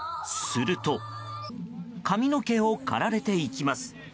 すると髪の毛を刈られていきます。